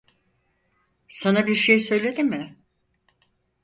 Sana bir şey söyledi mi?